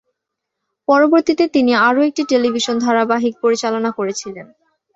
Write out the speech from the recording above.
পরবর্তীতে তিনি আরও একটি টেলিভিশন ধারাবাহিক পরিচালনা করেছিলেন।